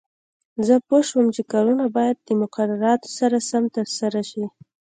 زه پوه شوم چې کارونه باید د مقرراتو سره سم ترسره شي.